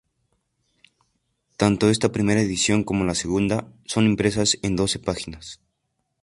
Tanto esta primera edición como la segunda, son impresas en doce páginas.